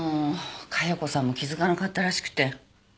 加代子さんも気付かなかったらしくて。